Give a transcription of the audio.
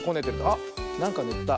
あっなんかぬった。